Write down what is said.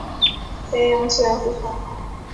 绵羊饲养普通。